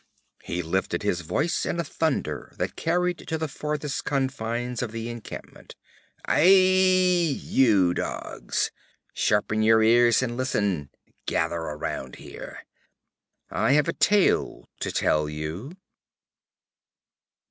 He lifted his voice in a thunder that carried to the farthest confines of the encampment: 'Aie, you dogs, sharpen your ears and listen! Gather around here. I have a tale to tell you.'